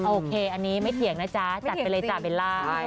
โอเคอันนี้ไม่เถียงนะจ๊ะจัดไปเลยจ้ะเบลล่า